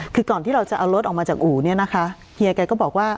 คือก่อนที่เราจะเอารถออกมาจากอู่เนี่ยนะคะเฮียแกก็บอกว่า